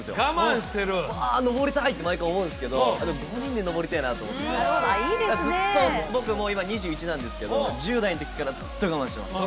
「うわ登りたい！」って毎回思うんですけどあでも５人で登りてえなと思ってずっと僕もう今２１なんですけど１０代の時からずっと我慢してます